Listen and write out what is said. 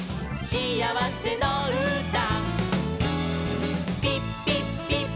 しあわせのうた」